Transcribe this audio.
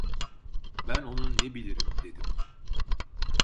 Ben onu ne bilirim dedim.